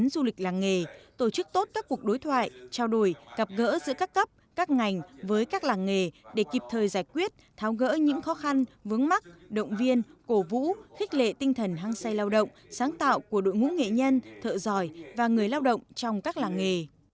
du lịch làng nghề tổ chức tốt các cuộc đối thoại trao đổi gặp gỡ giữa các cấp các ngành với các làng nghề để kịp thời giải quyết tháo gỡ những khó khăn vướng mắt động viên cổ vũ khích lệ tinh thần hăng say lao động sáng tạo của đội ngũ nghệ nhân thợ giỏi và người lao động trong các làng nghề